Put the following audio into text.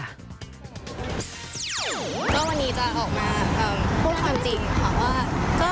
ก็วันนี้จะออกมาพูดความจริงค่ะว่า